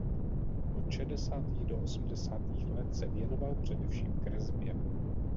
Od šedesátých do osmdesátých let se věnoval především kresbě.